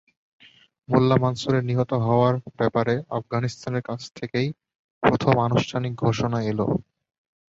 মোল্লা মানসুরের নিহত হওয়ার ব্যাপারে আফগানিস্তানের কাছ থেকেই প্রথম আনুষ্ঠানিক ঘোষণা এল।